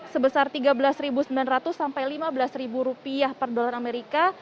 sebesar rp tiga belas sembilan ratus sampai lima belas rupiah per dolar amerika